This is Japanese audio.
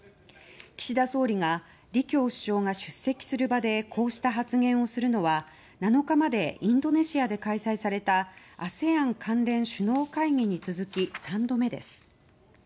岸田総理が李強首相が出席する場でこうした発言をするのは７日までインドネシアで開催されたＡＳＥＡＮ関連首脳会議に続き３度目です。